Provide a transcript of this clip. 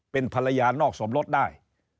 เป็นภรรยานอกสมรสได้